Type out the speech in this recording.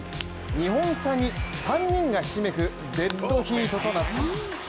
２本差に３人がひしめくデッドヒートとなっています。